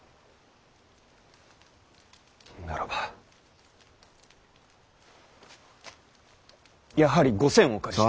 ならばやはり５，０００お借りしたい。